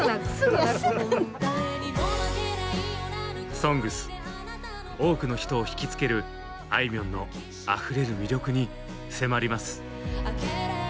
「ＳＯＮＧＳ」多くの人を惹きつけるあいみょんのあふれる魅力に迫ります。